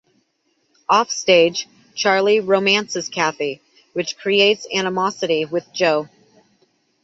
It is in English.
Off stage, Charlie romances Cathy, which creates animosity with Joe.